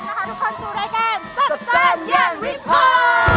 จัดจัดย่างวิภา